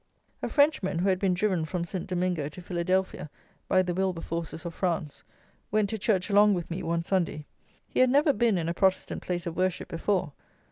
A Frenchman, who had been driven from St. Domingo to Philadelphia by the Wilberforces of France, went to church along with me one Sunday. He had never been in a Protestant place of worship before.